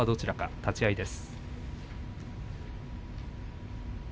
立ち合いです。